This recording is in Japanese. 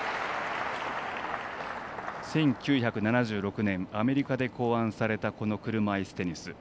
１９７６年アメリカで考案されたこの車いすテニス。